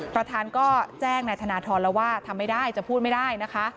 ประธานก็แจ้งนายธนทรแล้วว่าทำไม่ได้จะพูดไม่ได้นะคะ